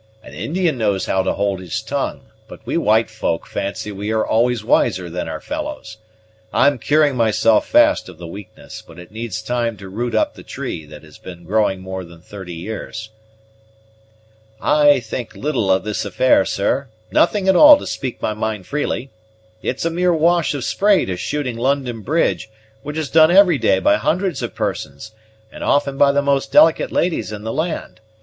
An Indian knows how to hold his tongue; but we white folk fancy we are always wiser than our fellows. I'm curing myself fast of the weakness, but it needs time to root up the tree that has been growing more than thirty years." "I think little of this affair, sir; nothing at all to speak my mind freely. It's a mere wash of spray to shooting London Bridge which is done every day by hundreds of persons, and often by the most delicate ladies in the land.